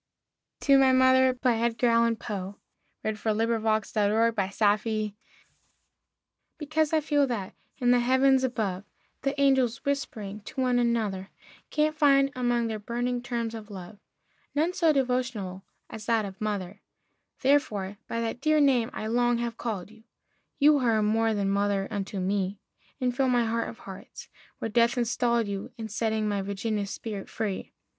[Illustration: Bridal Ballad] TO MY MOTHER [His Mother in law, Mrs. Clemm.] Because I feel that, in the Heavens above, The angels, whispering to one another, Can find, among their burning terms of love, None so devotional as that of "Mother," Therefore by that dear name I long have called you You who are more than mother unto me, And fill my heart of hearts, where Death installed you In setting my Virginia's spirit free.